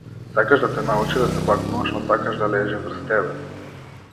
Сакаш да те научи да се бакнуваш, но сакаш да лежи врз тебе.